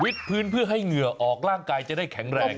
พื้นเพื่อให้เหงื่อออกร่างกายจะได้แข็งแรง